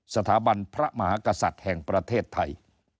สถาบันพระมหากษัตริย์แห่งประเทศไทย